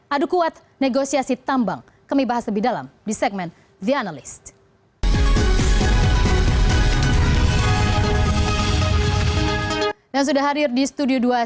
adu kuat negosiasi tambang kami bahas lebih dalam di segmen the analyst